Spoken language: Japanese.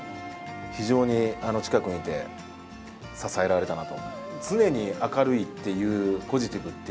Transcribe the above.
非常に近くにいて、支えられたなと。